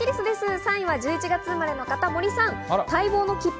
３位は１１月生まれの方、森さん。